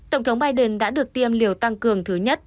tổng thống biden đã được tiêm liều tăng cường thứ nhất